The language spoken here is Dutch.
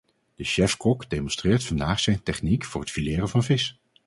De chef-kok demonstreert vandaag zijn techniek voor het fileren van vis.